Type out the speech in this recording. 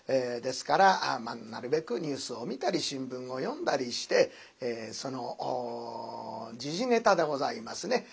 ですからなるべくニュースを見たり新聞を読んだりしてその時事ネタでございますね。